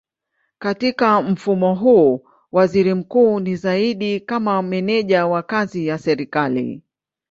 Katika mfumo huu waziri mkuu ni zaidi kama meneja wa kazi ya serikali.